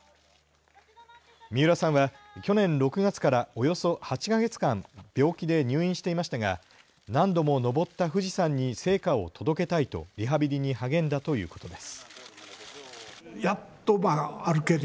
三浦さんは去年６月からおよそ８か月間、病気で入院していましたが何度も登った富士山に聖火を届けたいとリハビリに励んだということです。